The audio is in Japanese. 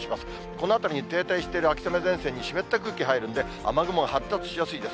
この辺りに停滞している秋雨前線に湿った空気が入るんで、雨雲が発達しやすいです。